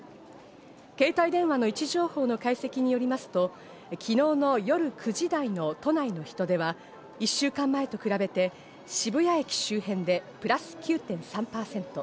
携帯電話の位置情報の解析によりますと、昨日の夜９時台の都内の人出は１週間前と比べて渋谷駅周辺でプラス９．３％。